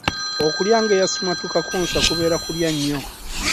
Okulya ng'eyasimattuka Kkunsa kubeera kulya nnyo.